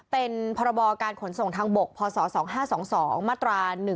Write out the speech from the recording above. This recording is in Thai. เป็นพรบการขนส่งทางบกพศ๒๕๒๒มาตรา๑๑